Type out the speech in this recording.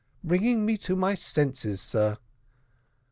"Bringing me to my senses, sir."